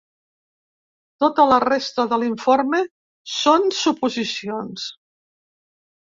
Tota la resta de l'informe són suposicions.